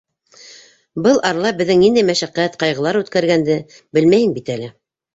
Был арала беҙҙең ниндәй мәшәҡәт, ҡайғылар үткәргәнде белмәйһең бит әле.